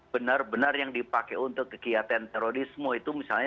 benar benar yang dipakai untuk kegiatan terorisme itu misalnya